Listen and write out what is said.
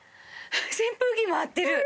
扇風機回ってる。